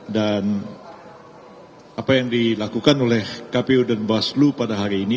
dan apa yang dilakukan oleh kpu dan bawaslu pada hari ini